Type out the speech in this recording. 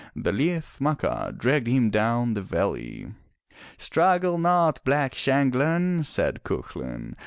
The Liath Macha dragged him down the valley. "Struggle not. Black Shanghlan,*' said Cuchulain.